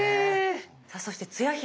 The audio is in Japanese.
さあそしてつや姫。